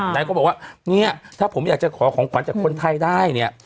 ไหนก็บอกว่าเนี่ยถ้าผมอยากจะขอของขวัญจากคนไทยได้เนี่ย